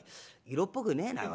色っぽくねえなあ